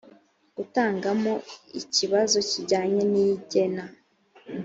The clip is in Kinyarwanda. gutangamo ikibazo kijyanye n igena